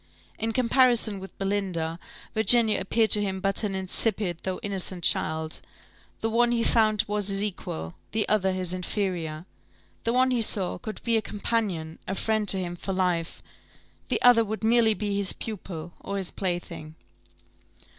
In comparison with Belinda, Virginia appeared to him but an insipid, though innocent child: the one he found was his equal, the other his inferior; the one he saw could be a companion, a friend to him for life, the other would merely be his pupil, or his plaything.